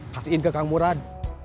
kasihin ke kang murad